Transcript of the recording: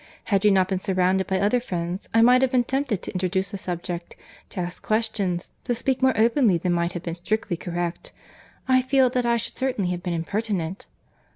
Had you not been surrounded by other friends, I might have been tempted to introduce a subject, to ask questions, to speak more openly than might have been strictly correct.—I feel that I should certainly have been impertinent."